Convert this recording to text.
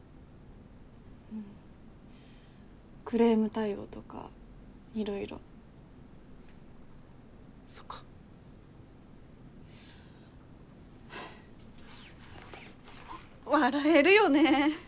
うんクレーム対応とか色々そっか笑えるよね